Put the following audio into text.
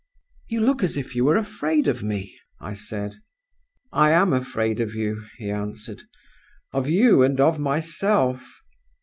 "'You look as if you were afraid of me,' I said. "'I am afraid of you,' he answered 'of you, and of myself.